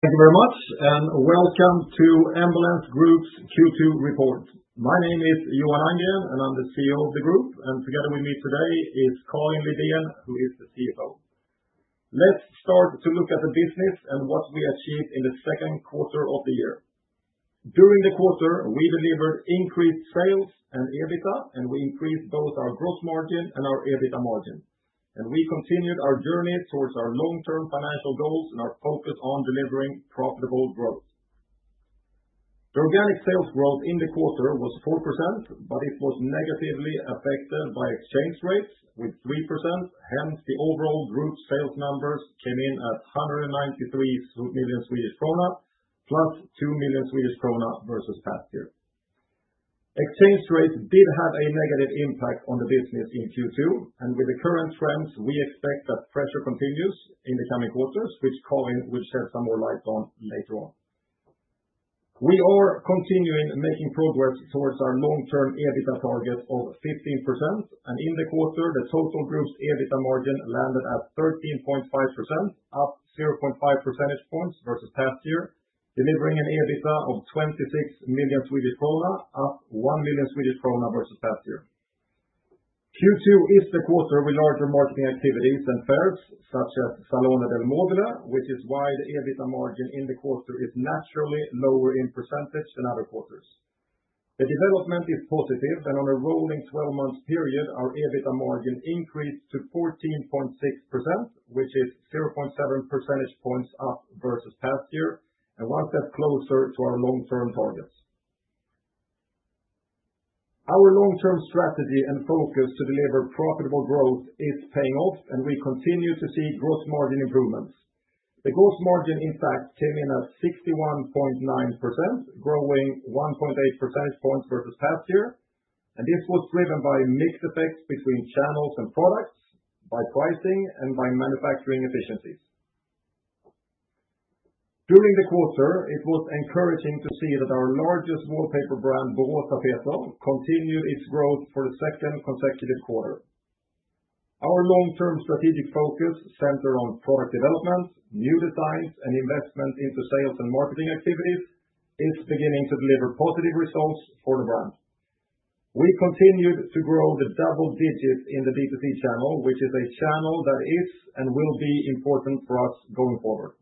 Thank you very much, and welcome to Embellence Group's Q2 report. My name is Johan Andgren, and I'm the CEO of the group. Together with me today is Karin Lidén, who is the CFO. Let's start to look at the business and what we achieved in the second quarter of the year. During the quarter, we delivered increased sales and EBITDA, and we increased both our gross margin and our EBITDA margin. We continued our journey towards our long-term financial goals and our focus on delivering profitable growth. The organic sales growth in the quarter was 4%, but it was negatively affected by exchange rates, with 3%. Hence, the overall group sales numbers came in at 193 million Swedish krona, plus 2 million Swedish krona versus last year. Exchange rates did have a negative impact on the business in Q2. With the current trends, we expect that pressure continues in the coming quarters, which Karin will shed some more light on later on. We are continuing making progress towards our long-term EBITDA target of 15%. In the quarter, the total group's EBITDA margin landed at 13.5%, up 0.5 percentage points versus last year, delivering an EBITDA of 26 million Swedish krona, up 1 million Swedish krona versus last year. Q2 is the quarter with larger marketing activities and sales, such as Salone del Mobile, which is why the EBITDA margin in the quarter is naturally lower in percentage than other quarters. The development is positive, and on a rolling 12-month period, our EBITDA margin increased to 14.6%, which is 0.7 percentage points up versus last year, and once that's closer to our long-term targets. Our long-term strategy and focus to deliver profitable growth is paying off, and we continue to see gross margin improvements. The gross margin, in fact, came in at 61.9%, growing 1.8 percentage points versus last year. This was driven by mixed effects between channels and products, by pricing, and by manufacturing efficiencies. During the quarter, it was encouraging to see that our largest wallpaper brand, Boråstapeter, continued its growth for the second consecutive quarter. Our long-term strategic focus centered on product development, new designs, and investment into sales and marketing activities is beginning to deliver positive results for the brand. We continued to grow the double digits in the D2C channel, which is a channel that is and will be important for us going forward.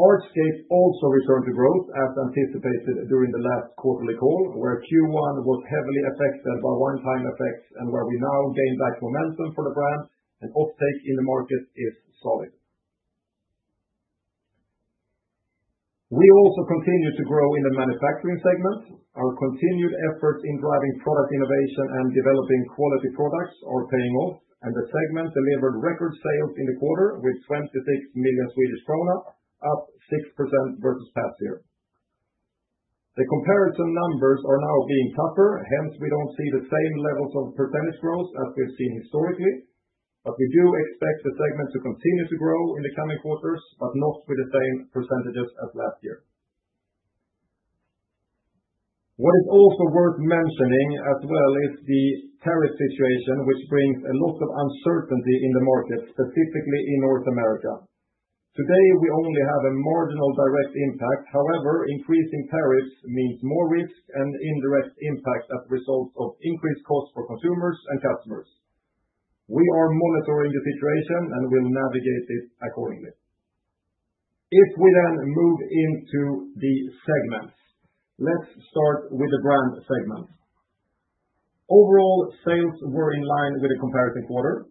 Artscape also returned to growth as anticipated during the last quarterly call, where Q1 was heavily affected by one-time effects and where we now gained back momentum for the brand, and uptake in the markets is solid. We also continue to grow in the manufacturing segment. Our continued efforts in driving product innovation and developing quality products are paying off, and the segment delivered record sales in the quarter with 26 million Swedish krona, up 6% versus last year. The comparison numbers are now being tougher. Hence, we don't see the same levels of % growth as we've seen historically, but we do expect the segment to continue to grow in the coming quarters, but not with the same % as last year. What is also worth mentioning as well is the tariff situation, which brings a lot of uncertainty in the market, specifically in North America. Today, we only have a marginal direct impact. However, increasing tariffs means more risk and indirect impacts as a result of increased costs for consumers and customers. We are monitoring the situation and will navigate this accordingly. If we then move into the segments, let's start with the brand segments. Overall, sales were in line with the comparison quarter,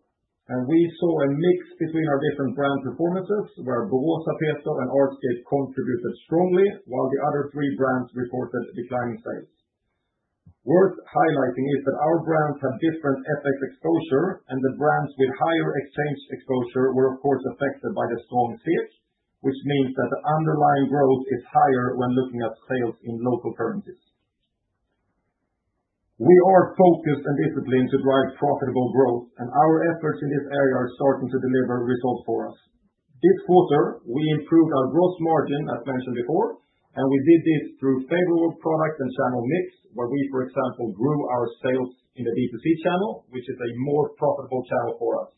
and we saw a mix between our different brand performances, where Boråstapeter and Artscape contributed strongly, while the other three brands reported declining sales. Worth highlighting is that our brand had different FX exposure, and the brands with higher exchange exposure were, of course, affected by the strong sales, which means that the underlying growth is higher when looking at sales in local currencies. We are focused and disciplined to drive profitable growth, and our efforts in this area are starting to deliver results for us. This quarter, we improved our gross margin, as mentioned before, and we did this through favorable product and channel mix, where we, for example, grew our sales in the D2C channel, which is a more profitable channel for us.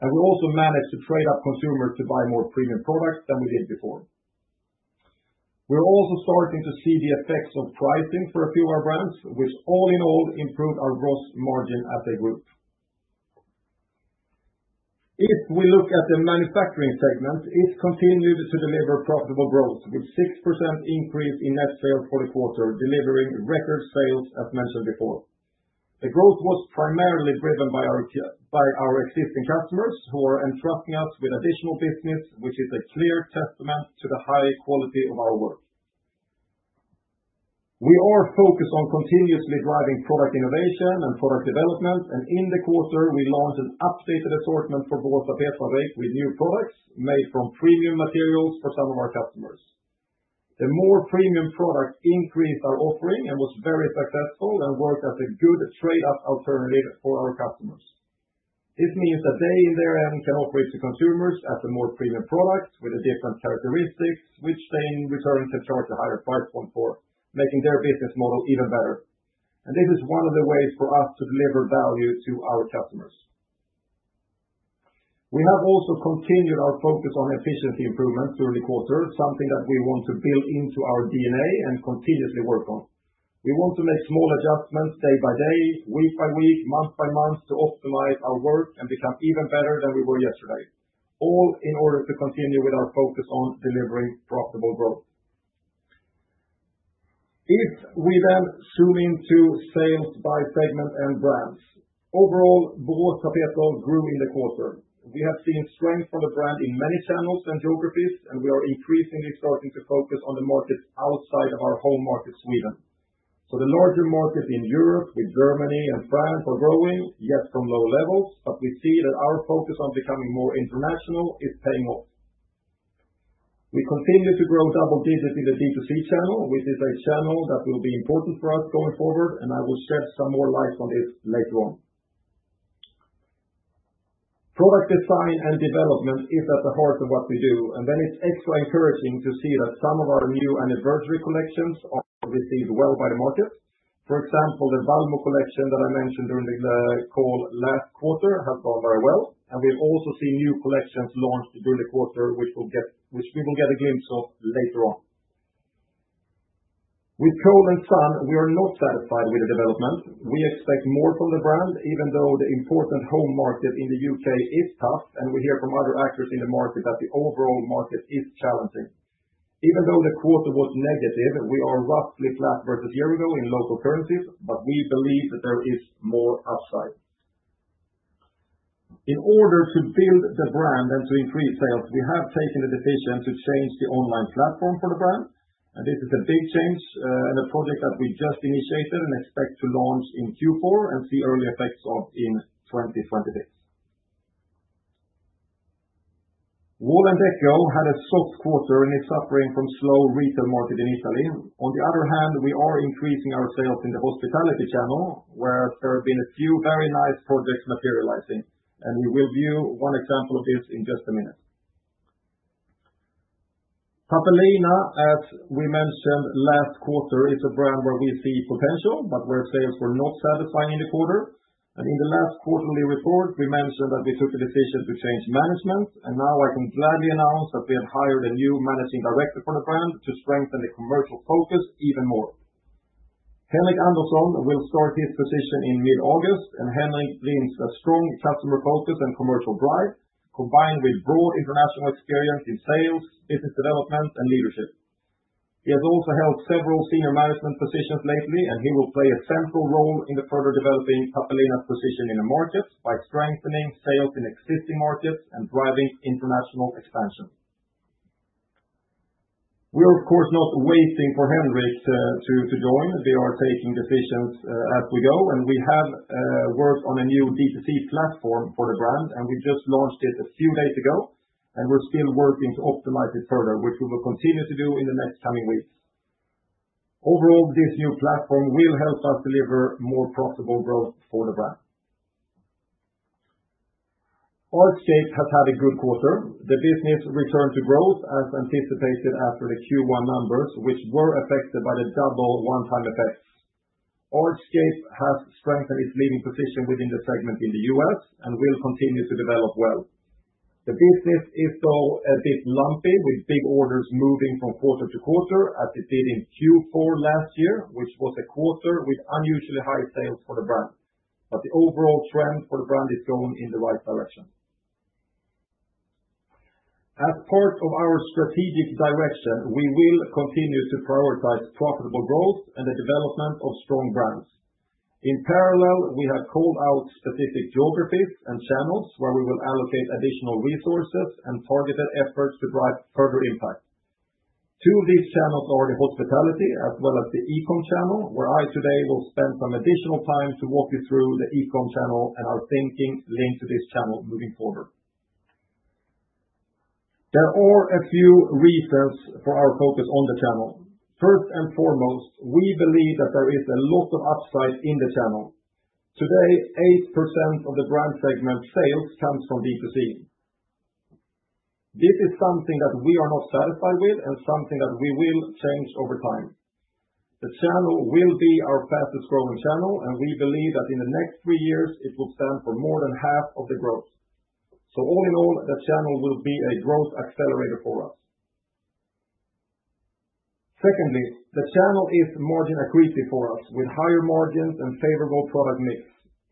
We also managed to trade up consumers to buy more premium products than we did before. We're also starting to see the effects on pricing for a few of our brands, which all in all improved our gross margin as a group. If we look at the manufacturing segment, it continued to deliver profitable growth, with a 6% increase in net sales for the quarter, delivering record sales, as mentioned before. The growth was primarily driven by our existing customers who are entrusting us with additional business, which is a clear testament to the high quality of our work. We are focused on continuously driving product innovation and product development, and in the quarter, we launched an updated assortment for Boråstapeter with new products made from premium materials for some of our customers. The more premium products increased our offering and was very successful and worked as a good trade-off alternative for our customers. This means that they, in their end, can offer it to consumers as a more premium product with different characteristics, which then returns a chart to a higher price point for making their business model even better. This is one of the ways for us to deliver value to our customers. We have also continued our focus on efficiency improvements through the quarter, something that we want to build into our DNA and continuously work on. We want to make small adjustments day by day, week by week, month by month to optimize our work and become even better than we were yesterday, all in order to continue with our focus on delivering profitable growth. If we then zoom into sales by segment and brands, overall, Boråstapeter grew in the quarter. We have seen strength from the brand in many channels and geographies, and we are increasingly starting to focus on the markets outside of our home market, Sweden. For the larger markets in Europe, with Germany and France growing, yet from low levels, we see that our focus on becoming more international is paying off. We continue to grow double digits in the D2C channel, which is a channel that will be important for us going forward, and I will shed some more light on this later on. Product design and development is at the heart of what we do, and then it's extra encouraging to see that some of our new anniversary collections are received well by the market. For example, the Balmu collection that I mentioned during the call last quarter has gone very well, and we'll also see new collections launched during the quarter, which we will get a glimpse of later on. With Cole & Son, we are not satisfied with the development. We expect more from the brand, even though the important home market in the United Kingdom is tough, and we hear from other actors in the market that the overall market is challenging. Even though the quarter was negative, we are roughly flat versus a year ago in local currencies, but we believe that there is more upside. In order to build the brand and to increase sales, we have taken the decision to change the online platform for the brand, and this is a big change and a project that we just initiated and expect to launch in Q4 and see early effects in 2026. Wall&decò had a soft quarter and is suffering from a slow retail market in Italy. On the other hand, we are increasing our sales in the hospitality channel, where there have been a few very nice projects materializing, and we will view one example of this in just a minute. Pappelina, as we mentioned last quarter, is a brand where we see potential, but where sales were not satisfying in the quarter. In the last quarterly report, we mentioned that we took a decision to change management, and now I can gladly announce that we have hired a new Managing Director for the brand to strengthen the commercial focus even more. Henrik Andersson will start his position in mid-August, and Henrik brings a strong customer focus and commercial drive, combined with broad international experience in sales, business development, and leadership. He has also held several senior management positions lately, and he will play a central role in further developing Pappelina's position in the market by strengthening sales in existing markets and driving international expansion. We're, of course, not waiting for Henrik to join. We are taking decisions as we go, and we have worked on a new D2C platform for the brand, and we just launched it a few days ago, and we're still working to optimize it further, which we will continue to do in the next coming weeks. Overall, this new platform will help us deliver more profitable growth for the brand. Artscape has had a good quarter. The business returned to growth as anticipated after the Q1 numbers, which were affected by the double one-time effects. Artscape has strengthened its leading position within the segment in the U.S. and will continue to develop well. The business is still a bit lumpy, with big orders moving from quarter to quarter as it did in Q4 last year, which was a quarter with unusually high sales for the brand. The overall trend for the brand is going in the right direction. As part of our strategic direction, we will continue to prioritize profitable growth and the development of strong brands. In parallel, we have called out specific geographies and channels where we will allocate additional resources and targeted efforts to drive further impact. Two of these channels are the hospitality as well as the e-commerce channel, where I today will spend some additional time to walk you through the e-commerce channel and our thinking linked to this channel moving forward. There are a few reasons for our focus on the channel. First and foremost, we believe that there is a lot of upside in the channel. Today, 8% of the brand segment sales comes from D2C. This is something that we are not satisfied with and something that we will change over time. The channel will be our fastest growing channel, and we believe that in the next three years, it will stand for more than half of the growth. All in all, the channel will be a growth accelerator for us. Secondly, the channel is margin-agreed for us, with higher margins and favorable product mix.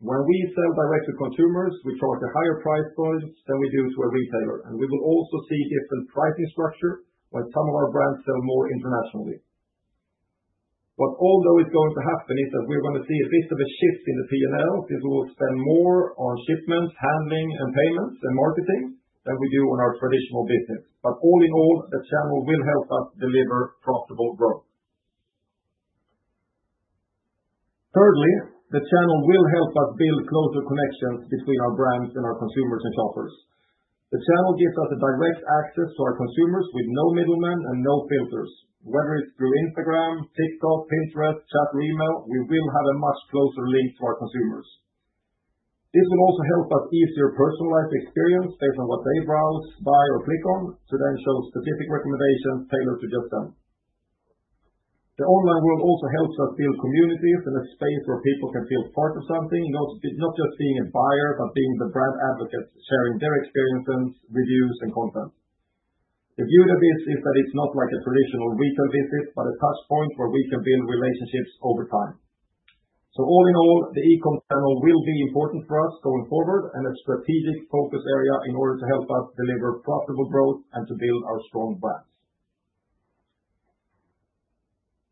When we sell direct to consumers, we charge a higher price for it than we do to a retailer, and we will also see different pricing structures when some of our brands sell more internationally. All that is going to happen is that we're going to see a bit of a shift in the CNL, since we will spend more on shipments, handling, payments, and marketing than we do on our traditional business. All in all, the channel will help us deliver profitable growth. Thirdly, the channel will help us build closer connections between our brands and our consumers and shoppers. The channel gives us direct access to our consumers with no middlemen and no filters. Whether it's through Instagram, TikTok, Pinterest, Chat Remo, we will have a much closer link to our consumers. This will also help us more easily personalize the experience based on what they browse, buy, or click on, to then show specific recommendations tailored to just them. The online world also helps us build communities and a space where people can feel part of something, not just being a buyer, but being the brand advocates sharing their experiences, reviews, and content. The beauty of this is that it's not like a traditional retail business, but a touchpoint where we can build relationships over time. All in all, the e-commerce channel will be important for us going forward and a strategic focus area in order to help us deliver profitable growth and to build our strong brands.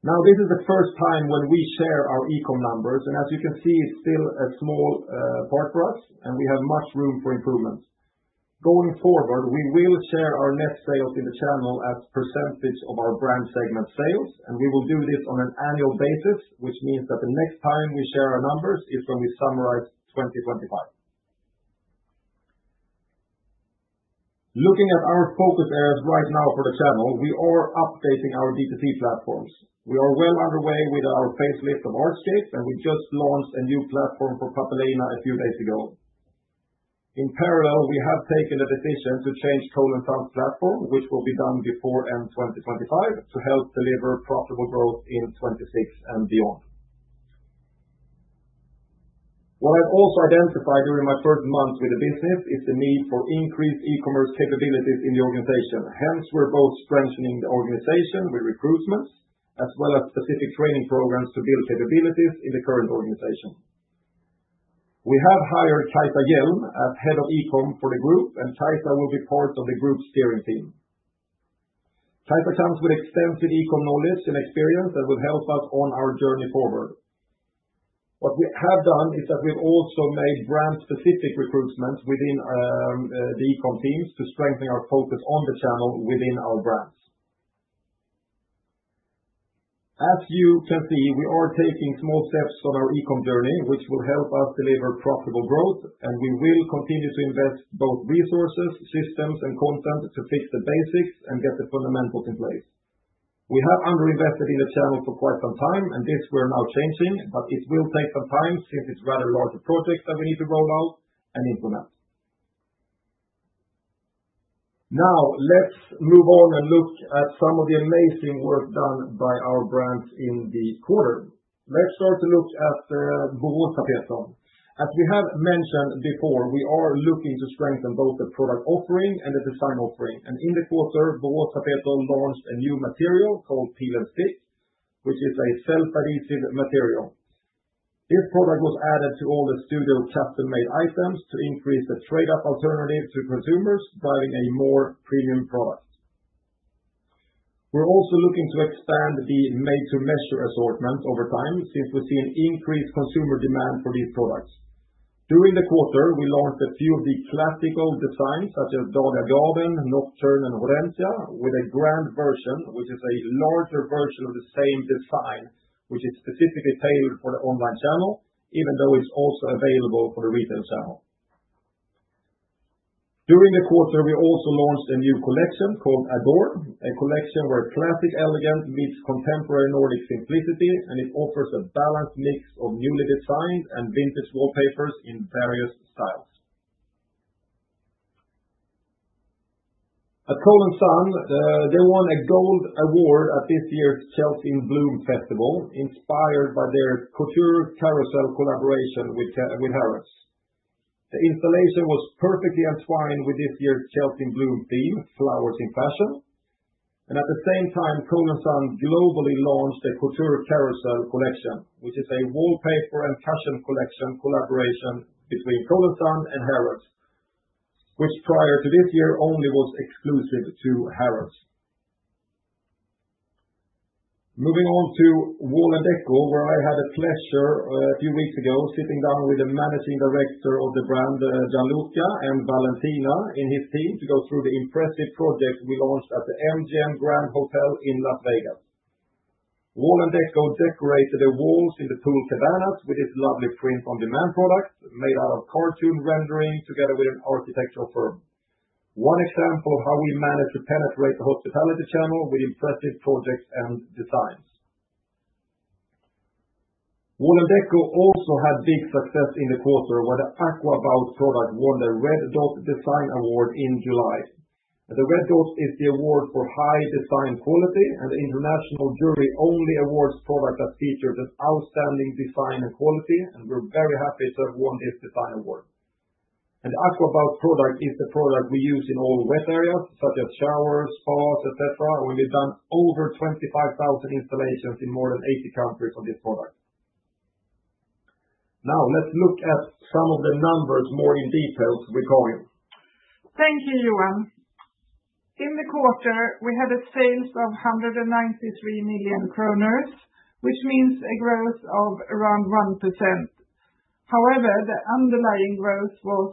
Now, this is the first time when we share our e-commerce numbers, and as you can see, it's still a small part for us, and we have much room for improvement. Going forward, we will share our net sales in the channel as a % of our brand segment sales, and we will do this on an annual basis, which means that the next time we share our numbers is when we summarize 2025. Looking at our focus areas right now for the channel, we are updating our D2C platforms. We are well underway with our facelift of Artscape, and we just launched a new platform for Pappelina a few days ago. In parallel, we have taken the decision to change the Cole & Son platform, which will be done before end 2025, to help deliver profitable growth in 2026 and beyond. What I've also identified during my first month with the business is the need for increased e-commerce capabilities in the organization. Hence, we're both strengthening the organization with recruitment, as well as specific training programs to build capabilities in the current organization. We have hired Kajsa Hjelm as Head of E-Commerce for the group, and Kajsa will be part of the group's steering team. Kajsa comes with extensive e-commerce knowledge and experience and will help us on our journey forward. What we have done is that we've also made brand-specific recruitments within the e-commerce teams to strengthen our focus on the channel within our brands. As you can see, we are taking small steps on our e-commerce journey, which will help us deliver profitable growth, and we will continue to invest both resources, systems, and content to fix the basics and get the fundamentals in place. We have underinvested in the channel for quite some time, and this we're now changing, but it will take some time since it's a rather large project that we need to roll out and implement. Now, let's move on and look at some of the amazing work done by our brands in the quarter. Let's start to look at Boråstapeter. As we have mentioned before, we are looking to strengthen both the product offering and the design offering. In the quarter, Boråstapeter launched a new material called TLS6, which is a self-adhesive material. This product was added to all the studio custom-made items to increase the trade-off alternatives to consumers, driving a more premium product. We're also looking to expand the made-to-measure assortment over time, since we've seen increased consumer demand for these products. During the quarter, we launched a few of the classical designs such as Dahlendalen, Nocturne, and Hortensia, with a grand version, which is a larger version of the same design, which is specifically tailored for the online channel, even though it's also available for the retail channel. During the quarter, we also launched a new collection called Adorn, a collection where classic, elegant meets contemporary Nordic simplicity, and it offers a balanced mix of newly designed and vintage wallpapers in various styles. At Cole & Son, they won a Gold Award at this year's Chelsea in Bloom festival, inspired by their Couture Carousel collaboration with Harrods. The installation was perfectly entwined with this year's Chelsea in Bloom theme, flowers in fashion. At the same time, Cole & Son globally launched the Couture Carousel collection, which is a wallpaper and fashion collection collaboration between Cole & Son and Harrods, which prior to this year only was exclusive to Harrods. Moving on to Wall&decò, where I had a pleasure a few weeks ago sitting down with the Managing Director of the brand, Gianluca, and Valentina in his team to go through the impressive project we launched at the MGM Grand Hotel in Las Vegas. Wall&decò decorated the walls in the pool cabanas with this lovely print-on-demand product made out of cartoon rendering together with an architectural firm. What a chance for how we managed to penetrate the hospitality channel with impressive projects and designs. Wall&decò also had big success in the quarter where the Aquabook product won the Red Dot Design Award in July. The Red Dot is the award for high design quality and the international jury only awards product that features outstanding design and quality, and we're very happy to have won this design award. The Aquabook product is the product we use in all wet areas, such as showers, spas, et cetera, where we've done over 25,000 installations in more than 80 countries on this product. Now, let's look at some of the numbers more in detail with Karin. Thank you, Johan. In the quarter, we had sales of 193 million kronor, which means a growth of around 1%. However, the underlying growth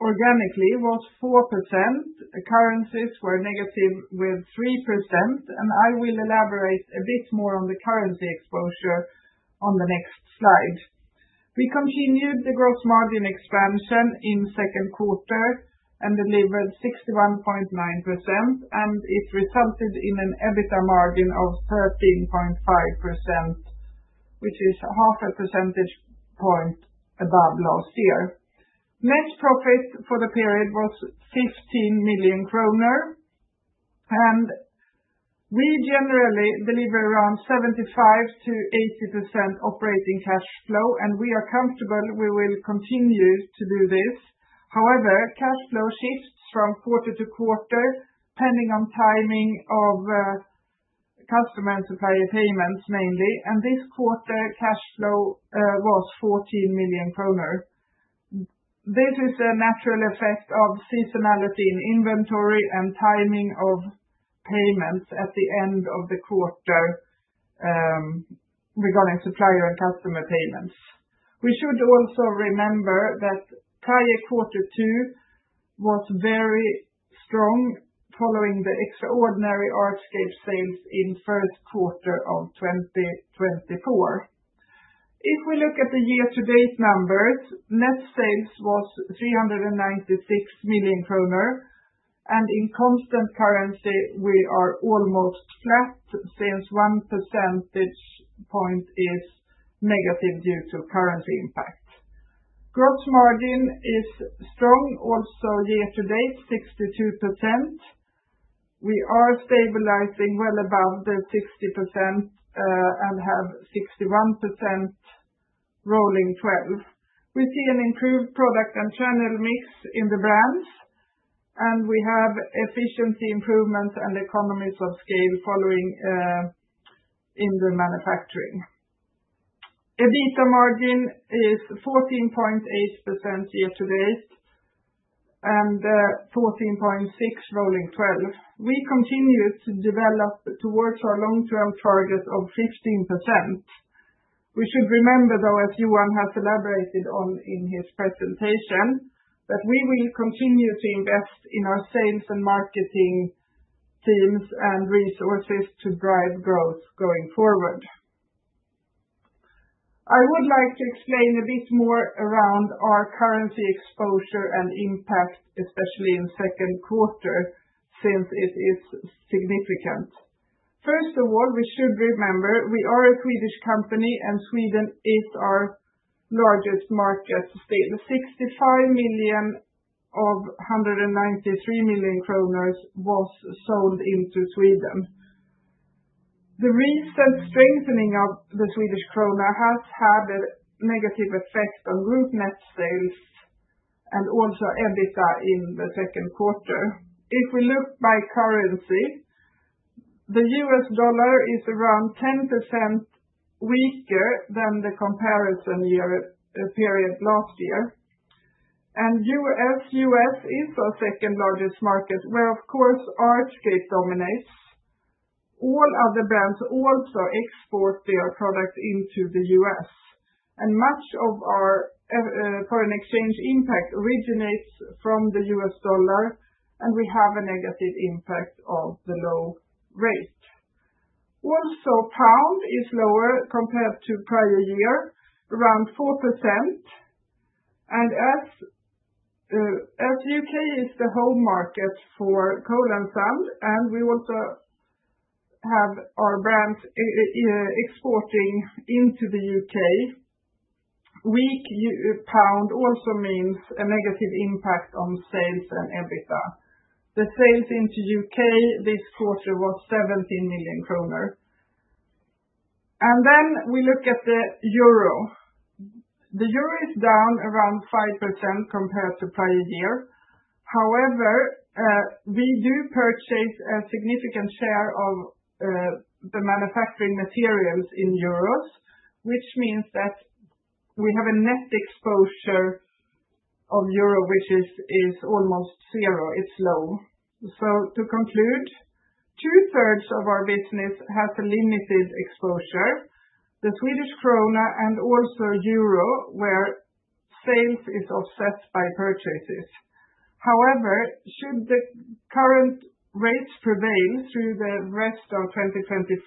organically was 4%. Currencies were negative with 3%, and I will elaborate a bit more on the currency exposure on the next slide. We continued the gross margin expansion in the second quarter and delivered 61.9%, and it resulted in an EBITDA margin of 13.5%, which is half a percentage point above last year. Net profit for the period was 15 million kronor, and we generally deliver around 75%-80% operating cash flow, and we are comfortable we will continue to do this. However, cash flow shifts from quarter to quarter depending on timing of customer and supplier payments mainly, and this quarter cash flow was 14 million kronor. This is a natural effect of seasonality in inventory and timing of payments at the end of the quarter regarding supplier and customer payments. We should also remember that prior quarter two was very strong following the extraordinary Artscape sales in the first quarter of 2024. If we look at the year-to-date numbers, net sales was 396 million kronor, and in constant currency, we are almost flat since one percentage point is negative due to currency impact. Gross margin is strong, also year-to-date 62%. We are stabilizing well above the 60% and have 61% rolling 12. We see an improved product and channel mix in the brands, and we have efficiency improvements and economies of scale following in the manufacturing. EBITDA margin is 14.8% year-to-date and 14.6% rolling 12. We continue to develop towards our long-term target of 15%. We should remember, though, as Johan has elaborated on in his presentation, that we will continue to invest in our sales and marketing teams and resources to drive growth going forward. I would like to explain a bit more around our currency exposure and impact, especially in the second quarter, since it is significant. First of all, we should remember we are a Swedish company, and Sweden is our largest market. The 65 million of 193 million kronor was sold into Sweden. The recent strengthening of the Swedish krona has had a negative effect on group net sales and also EBITDA in the second quarter. If we look by currency, the U.S. dollar is around 10% weaker than the comparison year period last year. U.S. is our second largest market, where, of course, Artscape dominates. All other brands also export their products into the U.S., and much of our foreign exchange impact originates from the U.S. dollar, and we have a negative impact of the low rate. Also, pound is lower compared to the prior year, around 4%. As the United Kingdom is the home market for Cole & Son, and we also have our brands exporting into the United Kingdom, weak pound also means a negative impact on sales and EBITDA. The sales into the United Kingdom this quarter were 17 million kronor. When we look at the euro, the euro is down around 5% compared to prior year. However, we do purchase a significant share of the manufacturing materials in euros, which means that we have a net exposure of euro, which is almost zero. It's low. To conclude, two-thirds of our business has a limited exposure. The Swedish krona and also euro, where sales are offset by purchases. However, should the current rates prevail through the rest of 2025,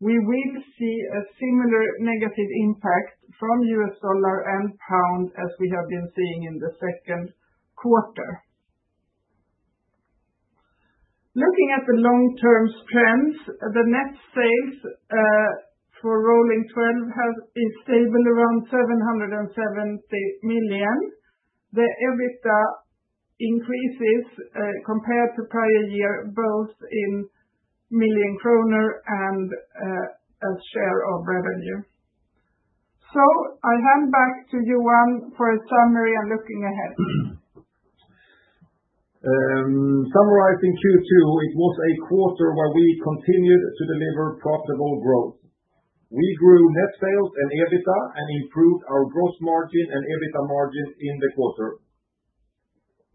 we will see a similar negative impact from U.S. dollar and pound as we have been seeing in the second quarter. Looking at the long-term trends, the net sales for rolling 12 has been stable around 770 million. The EBITDA increases compared to prior year, both in million kronor and as a share of revenue. I hand back to Johan for a summary and looking ahead. Summarizing Q2, it was a quarter where we continued to deliver profitable growth. We grew net sales and EBITDA and improved our gross margin and EBITDA margin in the quarter.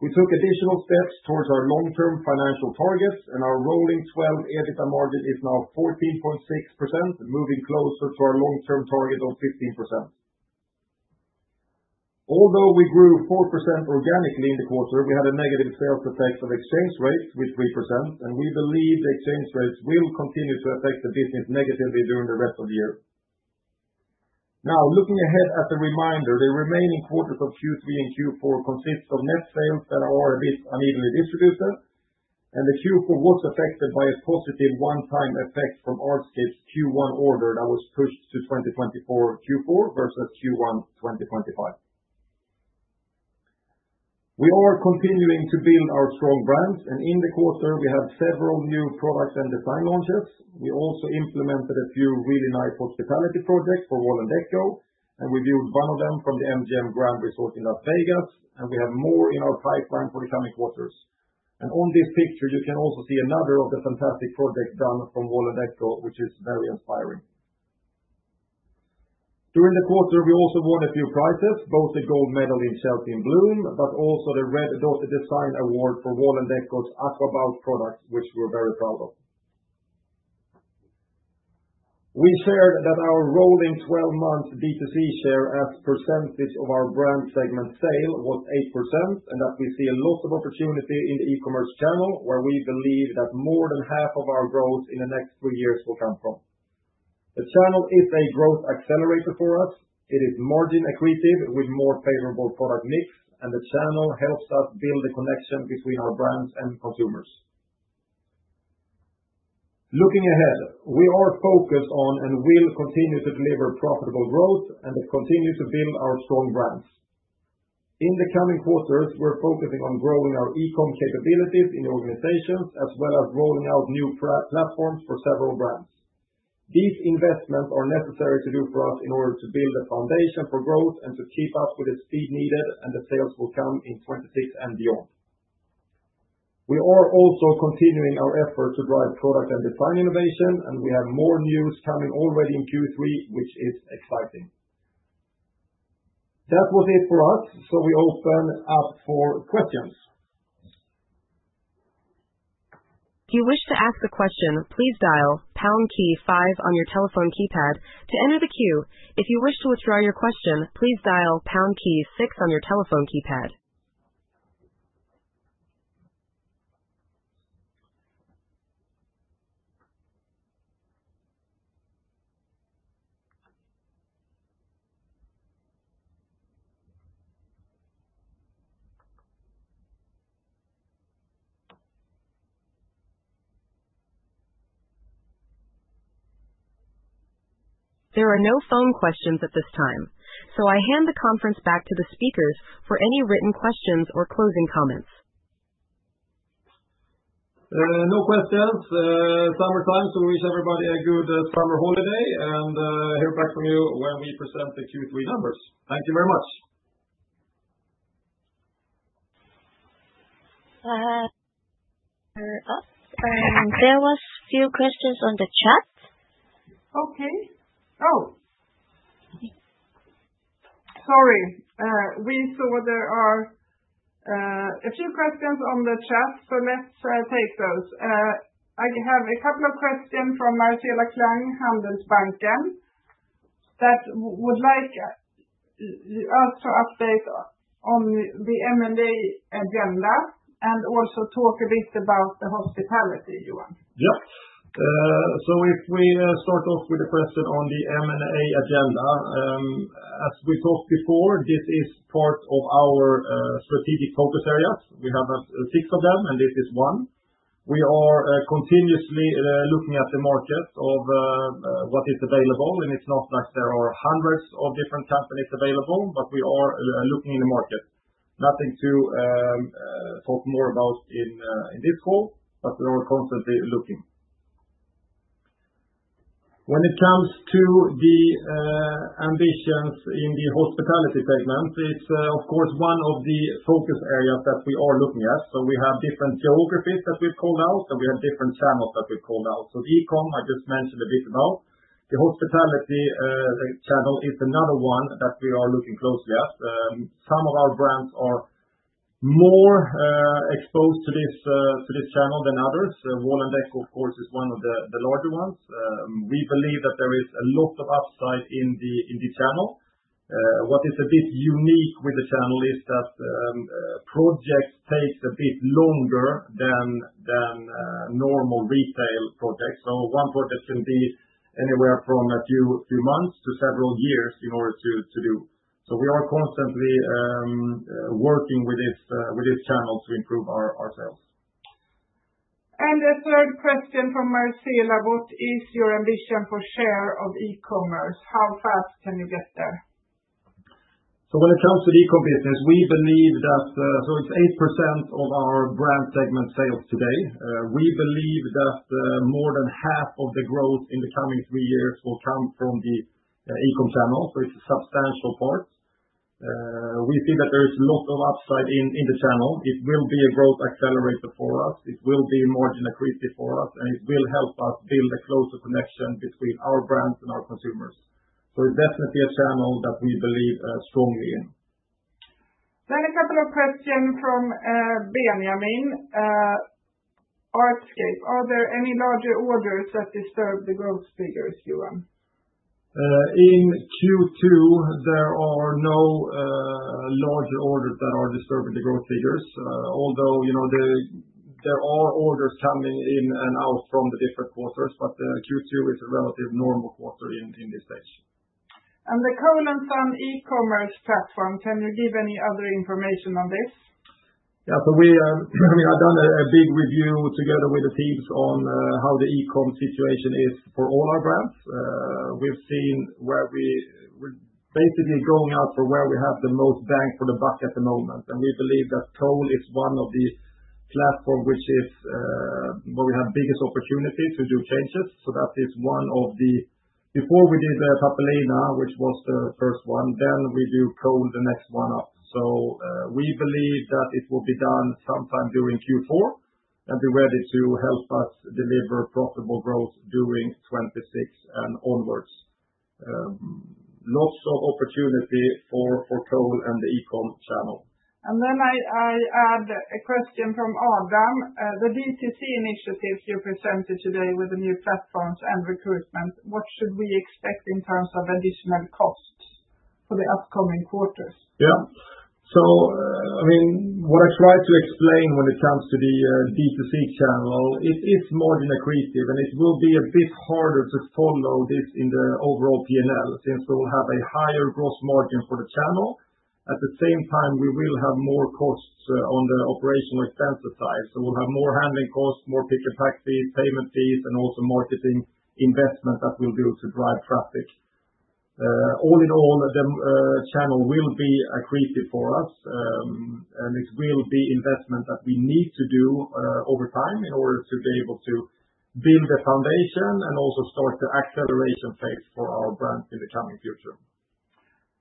We took additional steps towards our long-term financial targets, and our rolling 12 EBITDA margin is now 14.6%, moving closer to our long-term target of 15%. Although we grew 4% organically in the quarter, we had a negative sales effect of exchange rates with 3%, and we believe the exchange rates will continue to affect the business negatively during the rest of the year. Now, looking ahead as a reminder, the remaining quarters of Q3 and Q4 consist of net sales that are a bit unevenly distributed, and Q4 was affected by a positive one-time effect from Artscape's Q1 order that was pushed to 2024 Q4 versus Q1 2025. We are continuing to build our strong brands, and in the quarter, we have several new products and design launches. We also implemented a few really nice hospitality projects for Wall&decò, and we viewed one of them from the MGM Grand Hotel in Las Vegas, and we have more in our pipeline for the coming quarters. On this picture, you can also see another of the fantastic projects done from Wall&decò, which is very inspiring. During the quarter, we also won a few prizes, both the Gold Award in Chelsea in Bloom, but also the Red Dot Design Award for Wall&decò's Aquabook product, which we're very proud of. We shared that our rolling 12-month D2C share as a percentage of our brand segment sale was 8%, and that we see a lot of opportunity in the e-commerce channel, where we believe that more than half of our growth in the next three years will come from. The channel is a growth accelerator for us. It is margin-agreed with more favorable product mix, and the channel helps us build the connection between our brands and consumers. Looking ahead, we are focused on and will continue to deliver profitable growth and continue to build our strong brands. In the coming quarters, we're focusing on growing our e-commerce capabilities in organizations, as well as rolling out new platforms for several brands. These investments are necessary to do for us in order to build a foundation for growth and to keep up with the speed needed, and the sales will come in 2026 and beyond. We are also continuing our efforts to drive product and design innovation, and we have more news coming already in Q3, which is exciting. That was it for us, so we open up for questions. If you wish to ask a question, please dial pound key five on your telephone keypad to enter the queue. If you wish to withdraw your question, please dial pound key six on your telephone keypad. There are no phone questions at this time. I hand the conference back to the speakers for any written questions or closing comments. No questions. Summertime, so we wish everybody a good summer holiday and hear back from you when we present the Q3 numbers. Thank you very much. There were a few questions on the chat. Okay. We saw there are a few questions on the chat, so let's take those. I have a couple of questions from Martina Klang-Hanselspangsen that would like us to update on the M&A agenda and also talk a bit about the hospitality, Johan. Yeah. If we start off with a question on the M&A agenda, as we talked before, this is part of our strategic focus areas. We have six of them, and this is one. We are continuously looking at the market of what is available, and it's not like there are hundreds of different companies available, but we are looking in the market. Nothing to talk more about in this call, but we are constantly looking. When it comes to the ambitions in the hospitality segment, it's, of course, one of the focus areas that we are looking at. We have different geographies, as we've called out, and we have different channels that we've called out. The e-commerce I just mentioned a bit about. The hospitality channel is another one that we are looking closely at. Some of our brands are more exposed to this channel than others. Wall&decò, of course, is one of the larger ones. We believe that there is a lot of upside in the channel. What is a bit unique with the channel is that projects take a bit longer than normal retail projects. One project can be anywhere from a few months to several years in order to do. We are constantly working with this channel to improve our sales. The third question from Marcela, what is your ambition for share of e-commerce? How fast can you get there? When it comes to the e-commerce business, we believe that it's 8% of our brand segment sales today. We believe that more than half of the growth in the coming three years will come from the e-commerce channel, so it's a substantial part. We feel that there is a lot of upside in the channel. It will be a growth accelerator for us, it will be margin-accretive for us, and it will help us build a closer connection between our brands and our consumers. It's definitely a channel that we believe strongly in. A couple of questions from Benjamin. Artscape, are there any larger orders that disturb the growth figures, Johan? In Q2, there are no larger orders that are disturbing the growth figures, although you know there are orders coming in and out from the different quarters, but Q2 is a relatively normal quarter in this stage. The Cole & Son e-commerce platform, can you give any other information on this? Yeah, so we have done a big review together with the teams on how the e-commerce situation is for all our brands. We've seen where we're basically going out for where we have the most bang for the buck at the moment, and we believe that Cole & Son is one of the platforms where we have biggest opportunities to do changes. That is one of the before we did Pappelina, which was the first one, then we viewed Cole & Son the next one up. We believe that it will be done sometime during Q4 and be ready to help us deliver profitable growth during 2026 and onwards. Lots of opportunity for Cole & Son and the e-commerce channel. I add a question from Adam. The D2C initiatives you presented today with the new platforms and recruitment, what should we expect in terms of additional cost for the upcoming quarters? What I try to explain when it comes to the D2C channel, it is margin-agreed, and it will be a bit harder to follow this in the overall P&L, since we will have a higher gross margin for the channel. At the same time, we will have more costs on the operational expenses side. We'll have more handling costs, more pick and pack fees, payment fees, and also marketing investment that we'll do to drive traffic. All in all, the channel will be agreed for us, and it will be an investment that we need to do over time in order to be able to build the foundation and also start the acceleration phase for our brand in the coming future.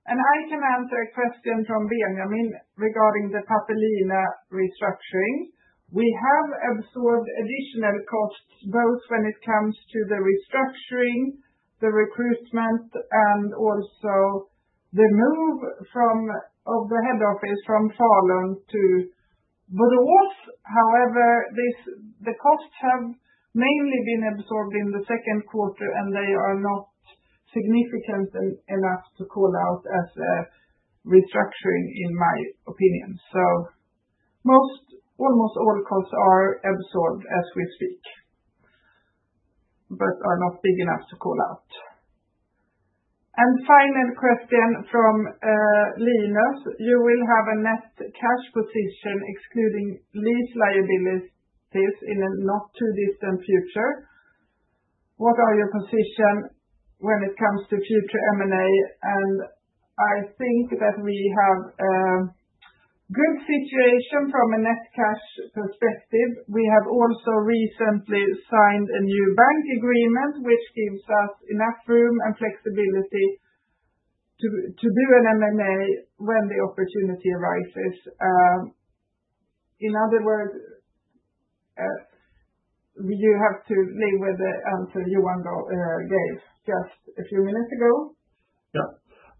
I can answer a question from Benjamin regarding the Pappelina restructuring. We have absorbed additional costs, both when it comes to the restructuring, the recruitment, and also the move of the head office from Falun to Borås. However, the costs have mainly been absorbed in the second quarter, and they are not significant enough to call out as a restructuring, in my opinion. Almost all costs are absorbed as we speak, but are not big enough to call out. A final question from Linus: you will have a net cash position excluding lease liabilities in the not-too-distant future. What are your positions when it comes to future M&A? I think that we have a good situation from a net cash perspective. We have also recently signed a new bank agreement, which gives us enough room and flexibility to do an M&A when the opportunity arises.In other words, you have to live with the answer Johan gave just a few minutes ago.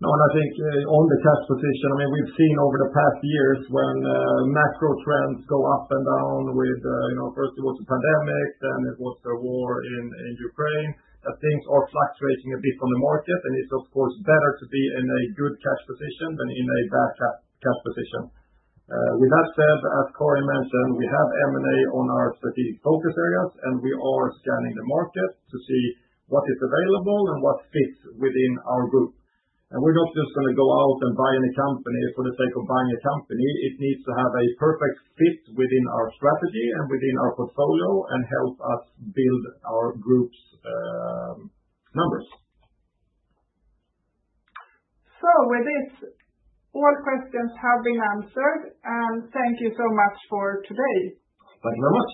No, and I think on the cash position, we've seen over the past years when macro trends go up and down with, you know, first it was a pandemic, then it was the war in Ukraine, that things are fluctuating a bit on the market. It's, of course, better to be in a good cash position than in a bad cash position. With that said, as Karin mentioned, we have M&A on our strategic focus areas, and we are scanning the market to see what is available and what fits within our group. We're not just going to go out and buy any company for the sake of buying a company. It needs to have a perfect fit within our strategy and within our portfolio and help us build our group's numbers. All questions have been answered, and thank you so much for today. Thank you very much.